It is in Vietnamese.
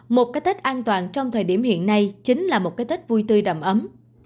một cái tết an toàn trong thời điểm hiện nay chính là một cái tết vui tươi đầm ấm